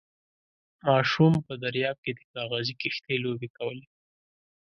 ماشوم په درياب کې د کاغذي کښتۍ لوبې کولې.